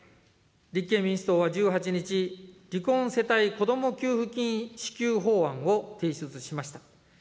立憲民主党は１８日、離婚世帯子ども給付金支給法案を提出しました。